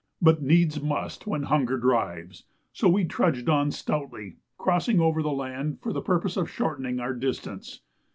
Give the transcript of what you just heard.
But needs must when hunger drives, so we trudged on stoutly, crossing over the land for the purpose of shortening our distance.